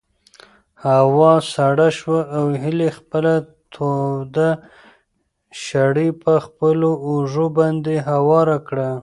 هوا سړه شوه او هیلې خپله توده شړۍ په خپلو اوږو باندې هواره کړه.